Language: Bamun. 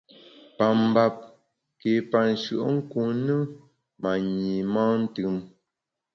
Pa mbap ké pa nshùenkun ne, ma nyi mantùm.